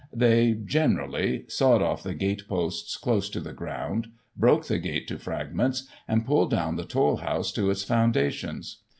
They, generally, sawed off the gate posts close to the ground, broke the gate to fragments, and pulled down the toll house to its foundations.